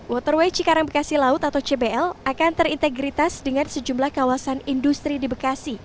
waterway cikarang bekasi laut atau cbl akan terintegritas dengan sejumlah kawasan industri di bekasi